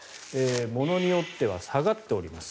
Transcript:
ものによっては下がっております。